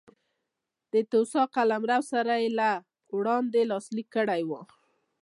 د توسا قلمرو سره له وړاندې لاسلیک کړی و.